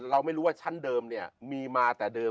เราไม่รู้ว่าชั้นเดิมเนี่ยมีมาแต่เดิม